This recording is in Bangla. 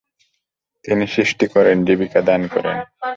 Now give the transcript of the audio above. তিনি সৃষ্টি করেন, জীবিকা দান করেন।